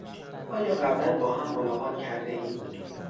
آیا قبلا با هم ملاقات کردهایم؟